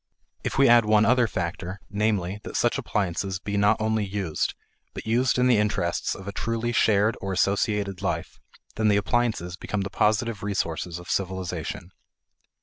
If we add one other factor, namely, that such appliances be not only used, but used in the interests of a truly shared or associated life, then the appliances become the positive resources of civilization.